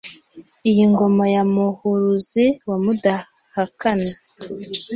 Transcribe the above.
Iyi ngoma ya Muhuruzi wa Mudahakana